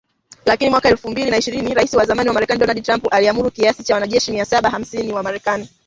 Lakini mwaka elfu mbili na ishirini Rais wa zamani wa Marekani Donald Trump aliamuru kiasi cha wanajeshi mia saba hamsini wa Marekani